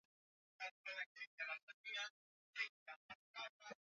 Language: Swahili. Weka viazi vilivyokatwa kwenye mafuta yaliyochemka